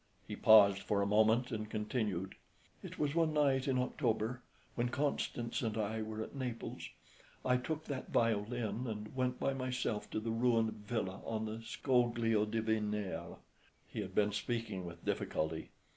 He paused for a moment and continued "It was one night in October, when Constance and I were at Naples. I took that violin and went by myself to the ruined villa on the Scoglio di Venere." He had been speaking with difficulty.